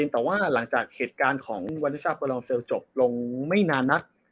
แต่ว่าหลังจากเหตุการณ์ของวันที่ซ่าเปอร์ลองเซลลจบลงไม่นานนัก